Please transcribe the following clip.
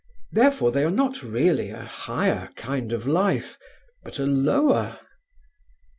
Therefore they are not really a higher kind of life, but a lower."